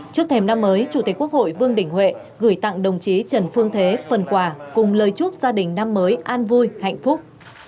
trước thềm năm mới chủ tịch quốc hội vương đình huệ gửi tặng đồng chí trần phương thế phần quà cùng lời chúc gia đình năm mới an vui hạnh phúc